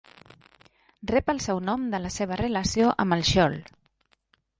Rep el seu nom de la seva relació amb el schorl.